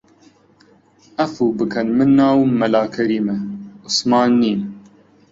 عەفوو بکەن من ناوم مەلا کەریمە، عوسمان نیم